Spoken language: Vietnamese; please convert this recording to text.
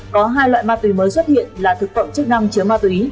có hai loại ma túy mới xuất hiện là thực phẩm chức năng chứa ma túy